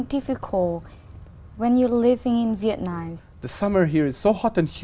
tôi không biết nếu có một hình ảnh